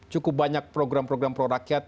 cukup banyak program program pro rakyat